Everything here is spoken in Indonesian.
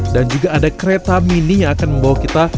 dan juga ada kereta mini yang akan membawa kita